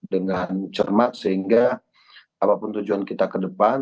dengan cermat sehingga apapun tujuan kita ke depan